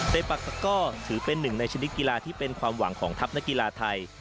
ปากตะก้อถือเป็นหนึ่งในชนิดกีฬาที่เป็นความหวังของทัพนักกีฬาไทย